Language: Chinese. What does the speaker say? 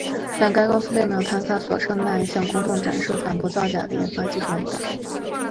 但该公司并没有像它所宣称的那样向公众展示反驳造假的研发技术文档。